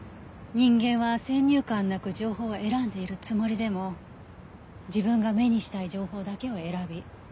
人間は先入観なく情報を選んでいるつもりでも自分が目にしたい情報だけを選び